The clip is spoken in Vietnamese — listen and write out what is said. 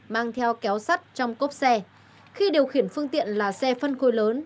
mang theo kéo sắt trong cốp xe khi điều khiển phương tiện là xe phân khối lớn